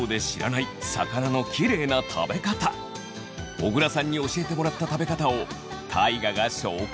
小倉さんに教えてもらった食べ方を大我が紹介。